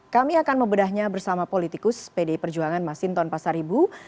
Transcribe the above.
kami akan membedahnya bersama politikus pdi perjuangan masinton pasaribu